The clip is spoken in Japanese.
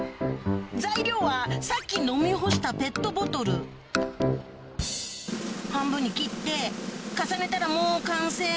材料はさっき飲み干した半分に切って重ねたらもう完成なの？